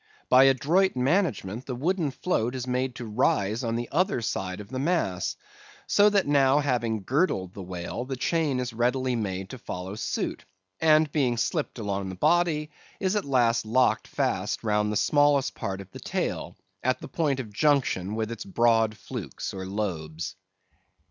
By adroit management the wooden float is made to rise on the other side of the mass, so that now having girdled the whale, the chain is readily made to follow suit; and being slipped along the body, is at last locked fast round the smallest part of the tail, at the point of junction with its broad flukes or lobes.